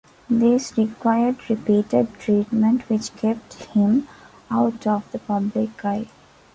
These required repeated treatment which kept him out of the public eye.